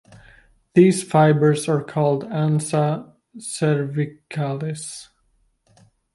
These fibers are called ansa cervicalis.